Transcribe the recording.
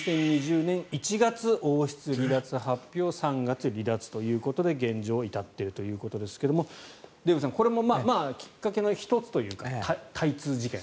２０２０年１月王室離脱発表３月、離脱ということで、現状至っているということですがデーブさん、これもきっかけの１つというかタイツ事件。